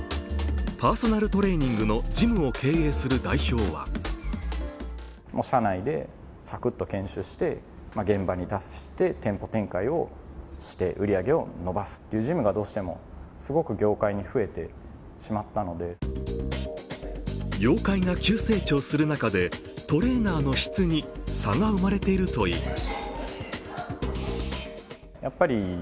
パーソナルトレーニングのジムを経営する代表は業界が急成長する中でトレーナーの質に差が生まれているといいます。